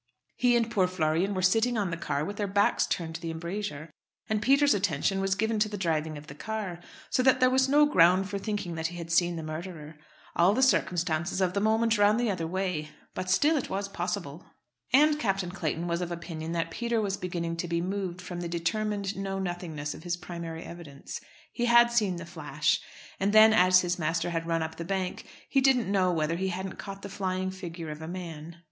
He and poor Florian were sitting on the car with their backs turned to the embrasure; and Peter's attention was given to the driving of the car, so that there was no ground for thinking that he had seen the murderer. All the circumstances of the moment ran the other way. But still it was possible." And Captain Clayton was of opinion that Peter was beginning to be moved from the determined know nothingness of his primary evidence. He had seen the flash. And then, as his master had run up the bank, he didn't know whether he hadn't caught the flying figure of a man.